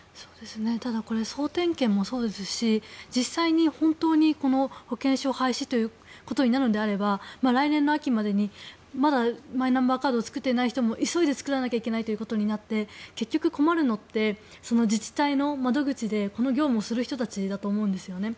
ただ、これ総点検もそうですし実際に本当にこの保険証廃止ということになるのであれば来年の秋までにまだマイナンバーカードを作っていない人も急いで作らなきゃいけないということになって結局、困るのって自治体の窓口でこの業務をする人たちだと思うんですね。